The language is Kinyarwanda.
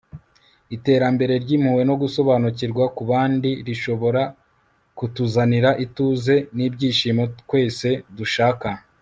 iterambere ry'impuhwe no gusobanukirwa kubandi rishobora kutuzanira ituze n'ibyishimo twese dushaka